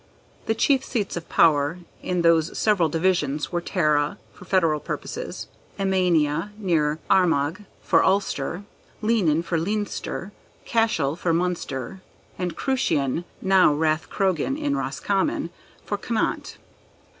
The chief seats of power, in those several divisions, were TARA, for federal purposes; EMANIA, near Armagh, for Ulster; LEIGHLIN, for Leinster; CASHEL, for Munster; and CRUCHAIN, (now Rathcrogan, in Roscommon,) for Connaught.